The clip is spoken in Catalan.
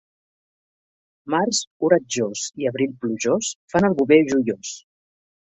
Març oratjós i abril plujós fan el bover joiós.